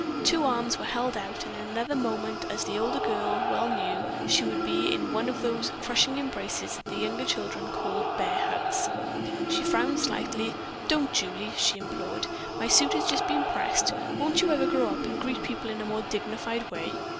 Two arms were held out, and in another moment, as the older girl well knew, she would be in one of those crushing embraces that the younger children called "bear hugs." She frowned slightly. "Don't, Julie!" she implored. "My suit has just been pressed. Won't you ever grow up, and greet people in a more dignified way?"